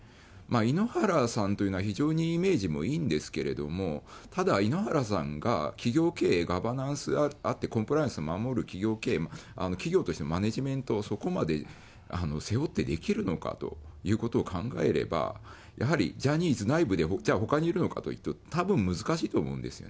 井ノ原さんというのは、非常にイメージもいいんですけれども、ただ井ノ原さんが、企業経営、ガバナンスあって、コンプライアンス守る企業経営、企業としてマネジメントを、そこまで背負ってできるのかということを考えれば、やはりジャニーズ内部で、じゃあほかにいるのかというと、たぶん難しいと思うんですよ。